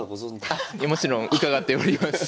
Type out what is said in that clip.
あっもちろん伺っております。